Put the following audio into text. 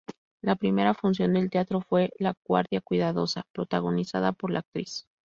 La primera función del teatro fue "La guardia cuidadosa", protagonizada por la actriz.